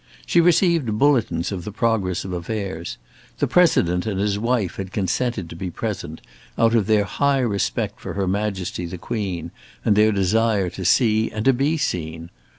She received bulletins of the progress of affairs. The President and his wife had consented to be present, out of their high respect for Her Majesty the Queen and their desire to see and to be seen.